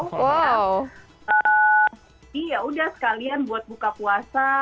jadi yaudah sekalian buat buka puasa